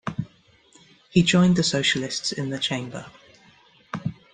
He joined the Socialists in the chamber.